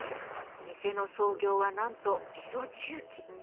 店の創業はなんと江戸中期。